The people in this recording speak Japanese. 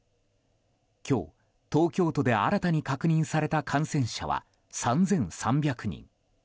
今日、東京都で新たに確認された感染者は３３００人。